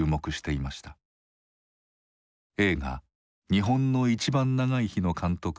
映画「日本のいちばん長い日」の監督